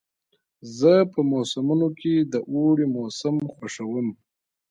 زه په موسمونو کې د اوړي موسم خوښوم.